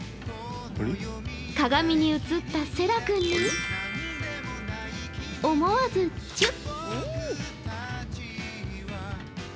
鏡に映ったせら君に思わずチュッ。